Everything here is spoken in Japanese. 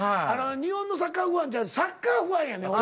日本のサッカーファンちゃうねんサッカーファンやねん俺は。